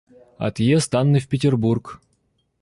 Отъезд Анны в Петербург.